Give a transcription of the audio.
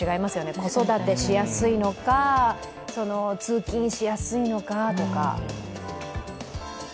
子育てしやすいのか、通勤しやすいのかとか。